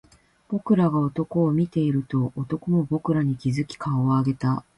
僕らが男を見ていると、男も僕らに気付き顔を上げた